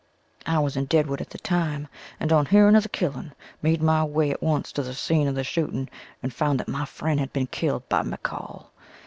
I was in Deadwood at the time and on hearing of the killing made my way at once to the scene of the shooting and found that my friend had been killed by McCall.